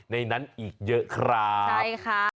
ในนั้นอีกเยอะครับ